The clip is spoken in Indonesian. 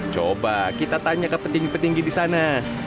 coba kita tanya ke petinggi petinggi di sana